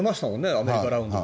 アメリカラウンドで。